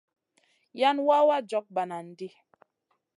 Yan wawa jog bananʼ ɗi.